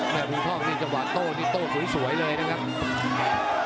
แม่ภูท่องเนี่ยจะหวานโต้นี่โต้สวยเลยนะครับ